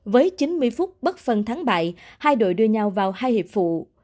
với chín mươi phút bất phân thắng bại hai đội đưa nhau vào hai hiệp phụ